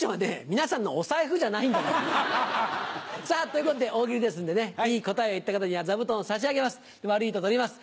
皆さんのお財布じゃないんだから。ということで大喜利ですんでねいい答えを言った方には座布団を差し上げます悪いと取ります。